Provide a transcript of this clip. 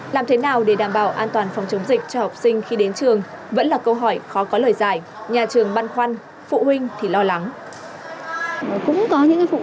làm thế nào để đảm bảo an toàn phòng chống dịch cho học sinh khi đến trường